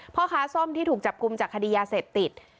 พ่อค้าส้มที่ถูกจับกลุ่มจากคดียาเสพติด